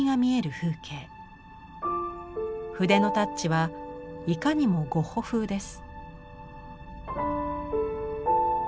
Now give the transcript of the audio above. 筆のタッチはいかにもゴッホ風です。